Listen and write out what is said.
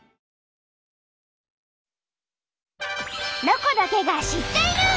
「ロコだけが知っている」。